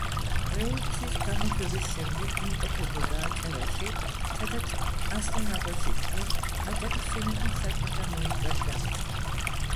რევოლუციის გამარჯვების შემდეგ იმყოფებოდა აჭარაში, სადაც ასლან აბაშიძემ აჭარის შინაგან საქმეთა მინისტრად დანიშნა.